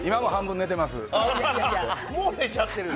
もう寝ちゃってる？